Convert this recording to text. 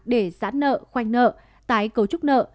để giãn nợ khoanh nợ tái cấu trúc nợ